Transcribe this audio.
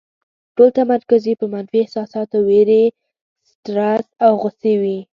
ټول تمرکز یې په منفي احساساتو، وېرې، سټرس او غوسې وي.